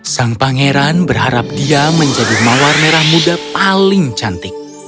sang pangeran berharap dia menjadi mawar merah muda paling cantik